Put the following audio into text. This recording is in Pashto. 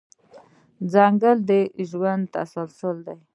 ځنګل د ژوند تسلسل دی.